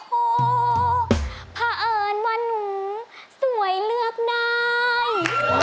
เผ่าเอิญว่าหนูสวยเลือกนาย